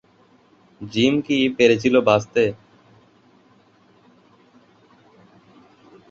Gym কি পেরেছিল বাঁচাতে?